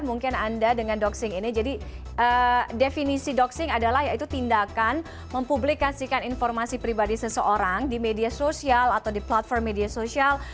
mungkin anda dengan doxing ini jadi definisi doxing adalah yaitu tindakan mempublikasikan informasi pribadi seseorang di media sosial atau di platform media sosial